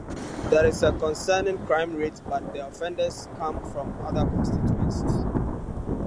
There is a concerning crime rate but the offenders come from other constituencies.